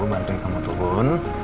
bantuin kamu turun